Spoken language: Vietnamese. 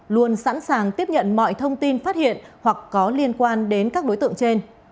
luôn sẵn sàng tiếp nhận mọi thông tin phát hiện hoặc có liên quan đến các đối tượng trên